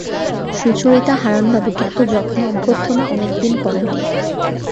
সুচরিতা হারানবাবুকে এত যত্ন-অভ্যর্থনা অনেক দিন করে নাই।